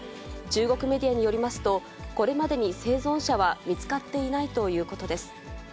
中国メディアによりますと、これまでに生存者は見つかっていないということです。